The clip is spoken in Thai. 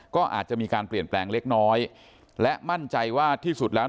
ก็อาจจะมีการเปลี่ยนแปลงเล็กน้อยและมั่นใจว่าที่สุดแล้ว